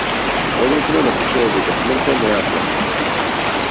Подоцна напишала дека смртта не ја плаши.